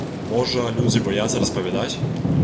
Можа людзі баяцца распавядаць?